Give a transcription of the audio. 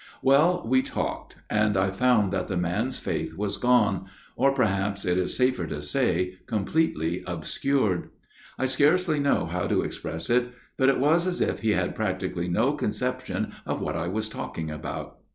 " Well, we talked, and I found that the man's J faith wasjjone, or, perhaps it is safer to say, com pletely obscured. I scarcely know how to express I it, but itwas as if he had practically no conception of what I was talking about.